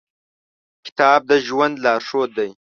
کتاب د ژوند لارښود دی.